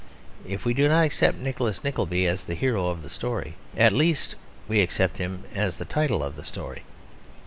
If we do not accept Nicholas Nickleby as the hero of the story, at least we accept him as the title of the story.